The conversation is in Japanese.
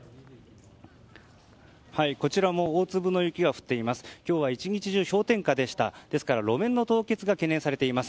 こちらも大粒の雪が降っています。